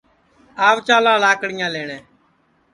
آو چالاں لاکڑیاں لئٹؔے